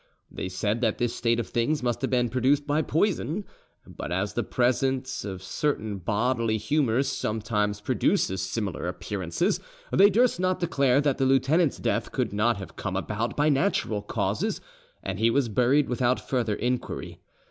They said that this state of things must have been produced by poison, but as the presence of certain bodily humours sometimes produces similar appearances, they durst not declare that the lieutenant's death could not have come about by natural causes, and he was buried without further inquiry.